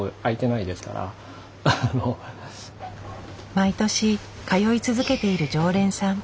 毎年通い続けている常連さん。